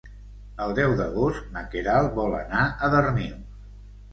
El deu d'agost na Queralt vol anar a Darnius.